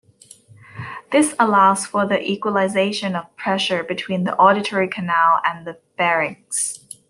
This allows for the equalization of pressure between the auditory canal and the pharynx.